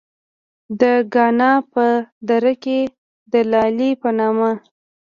د کاڼا پۀ دره کښې د “دلائي” پۀ نامه